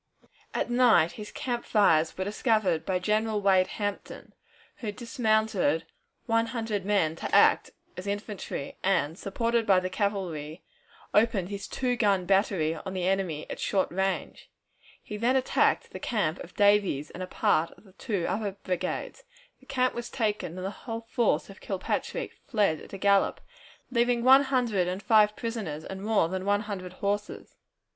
At night his camp fires were discovered by General Wade Hampton, who dismounted one hundred men to act as infantry, and, supported by the cavalry, opened his two gun battery upon the enemy at short range. He then attacked the camp of Davies's and of a part of two other brigades. The camp was taken, and the whole force of Kilpatrick fled at a gallop, leaving one hundred and five prisoners and more than one hundred horses.